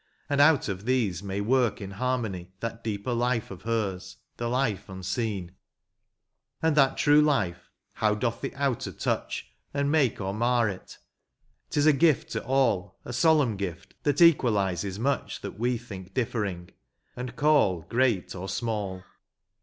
And out of these may work in harmony That deeper life of hers, the life unseen : And that true life, how doth the outer touch, And make or mar it !— 't is a gift to all, A solemn gift, that equalises much That we think differing, and caU great or small.